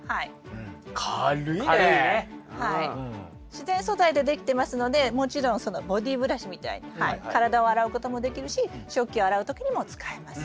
自然素材でできてますのでもちろんそのボディーブラシみたいにはい体を洗うこともできるし食器を洗う時にも使えます。